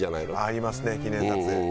ありますね記念撮影。